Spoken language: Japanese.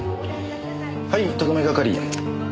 はい特命係。